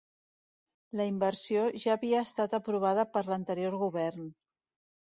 La inversió ja havia estat aprovada per l'anterior govern